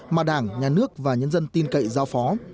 mà đảng nhà nước và nhân dân tin cậy giao phó